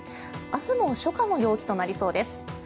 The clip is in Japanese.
明日も初夏の陽気となりそうです。